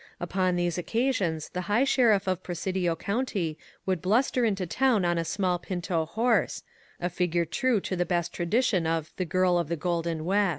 Upon these occasions the High Sheriff of Presidio County would bluster into town on a small pinto horse, — a figure true to the best tradition of "The Girl of the Golden West."